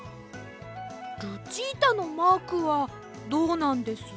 ルチータのマークはどうなんです？